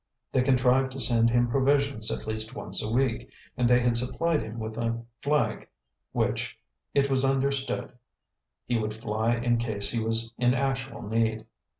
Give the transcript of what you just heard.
They contrived to send him provisions at least once a week; and they had supplied him with a flag which, it was understood, he would fly in case he was in actual need.